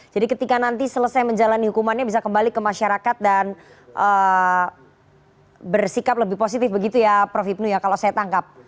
jadi ketika nanti selesai menjalani hukumannya bisa kembali ke masyarakat dan bersikap lebih positif begitu ya prof ibnu ya kalau saya tangkap